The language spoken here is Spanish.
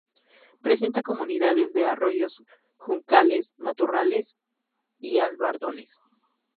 Presenta comunidades de arroyos, juncales, matorrales, y albardones.